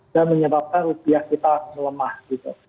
dan menyebabkan rupiah kita melemah gitu